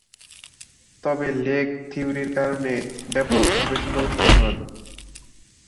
তবে, লেগ-থিওরির কারণে ব্যাপকভাবে সমালোচিত হন।